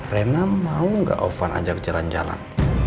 reina mau gak ofan ajak jalan jalan